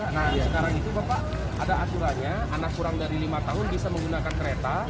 nah sekarang itu bapak ada aturannya anak kurang dari lima tahun bisa menggunakan kereta